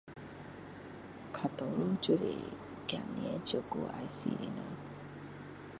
比较多就是孩子照顾要死的人